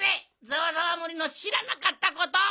ざわざわ森のしらなかったこと！